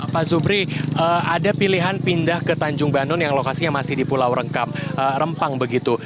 pak zubri ada pilihan pindah ke tanjung banun yang lokasinya masih di pulau rempang begitu